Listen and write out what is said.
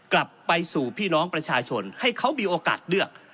กลับไปสู่พี่น้องประชาชนให้เขามีโอกาสเลือก